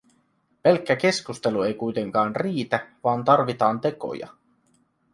Pelkkä keskustelu ei kuitenkaan riitä, vaan tarvitaan tekoja.